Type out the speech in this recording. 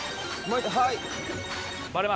はい。